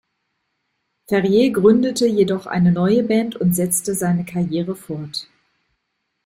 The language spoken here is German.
Ferrier gründete jedoch eine neue Band und setzte seine Karriere fort.